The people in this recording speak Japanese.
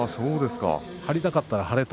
張りたかったら張れと。